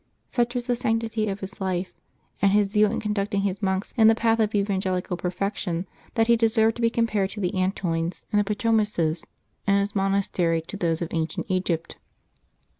Such w^as the sanctity of his life, and his zeal in conducting his monks in the paths of evangel ical perfection, that he deserved to be compared to the Antonines and Pachomiuses, and his monastery to those of ancient Egypt.